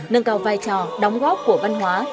nâng cầu vai trò đóng góp của văn hóa